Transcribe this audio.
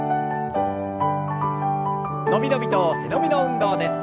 伸び伸びと背伸びの運動です。